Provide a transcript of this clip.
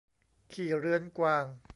ขี้เรื้อนกวาง